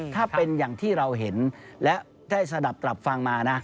ถ้าเป็นอย่างที่เราเห็นและได้สนับกลับฟังมานะ